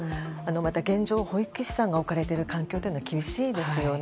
また、現状保育士さんが置かれている環境は厳しいですよね。